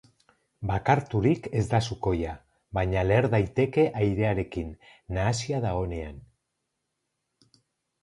Bakarturik ez da sukoia, baina leher daiteke airearekin nahasia dagoenean.